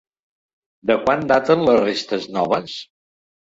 De quan daten les restes noves?